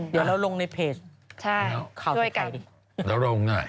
เดี๋ยวแล้วลงในเพจเราลงหน่อย